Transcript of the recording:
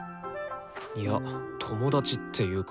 いや友達っていうか。